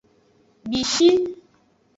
Bishi.